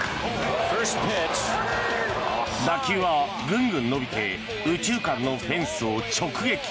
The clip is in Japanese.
打球はぐんぐん伸びて右中間のフェンスを直撃。